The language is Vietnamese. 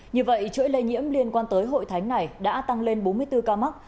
như vậy chuỗi lây nhiễm liên quan tới hội thánh này đã tăng lên bốn mươi bốn ca mắc